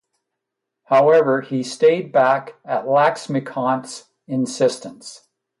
However, he stayed back at Laxmikant's insistence.